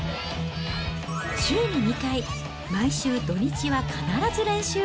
週に２回、毎週土日は必ず練習。